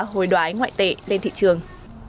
hồi đoái ngoại tệ lên thị trường